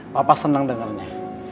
papa senang dengarnya